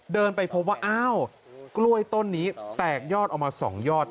เดินไปพบว่าอ้าวกล้วยต้นนี้แตกยอดออกมา๒ยอด